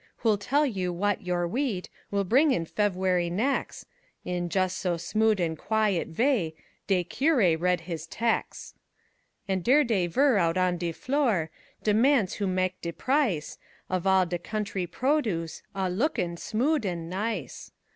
Who'll tell you w'at your wheat Will bring in Fevuary nex', In jus' so smood an' quiet vay De curé read his tex'. An' dere dey vere out on de floor, De mans who mak' de price Of all de country produce, A lookin' smood an' nice.